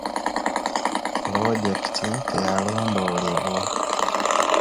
Pulojekiti teyalondoolebwa.